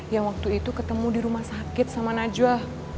yang waktu itu ketemu di rumah sakit sama najwa